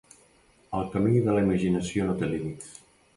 El camí de la imaginació no té límits.